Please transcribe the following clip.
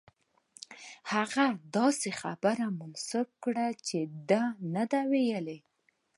هغه ته داسې خبرې منسوبې کړم چې ده نه دي ویلي.